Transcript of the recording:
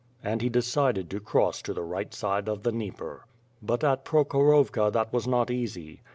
And he decided to cross to the right side of the Dnieper. But at Prokhorovka that was not easy.